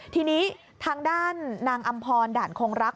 ทีนี้ทางด้านนางอำพรด่านคงรัก